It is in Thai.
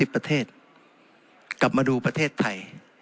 ประเทศกลับมาดูประเทศไทย